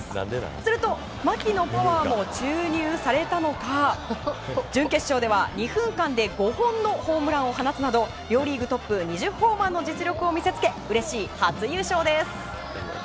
すると牧のパワーも注入されたのか準決勝では２分間で５本のホームランを放つなど両リーグトップ２０ホーマーの実力を見せつけうれしい初優勝です。